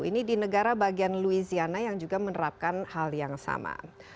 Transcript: ini di negara bagian louisiana yang juga menerapkan hal yang sama